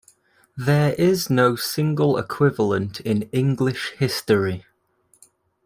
There is no single equivalent in English history.